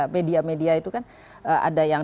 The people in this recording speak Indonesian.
media media itu kan ada yang